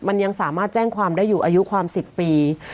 มันยังสามารถแจ้งความได้อยู่อายุความ๑๐ปี